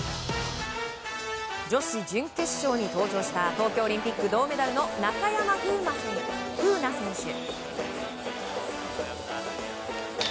女子準決勝に登場した東京オリンピック銅メダルの中山楓奈選手。